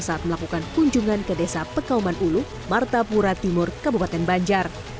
saat melakukan kunjungan ke desa pekauman ulu martapura timur kabupaten banjar